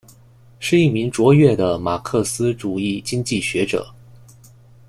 是一名卓越的马克思主义经济学者。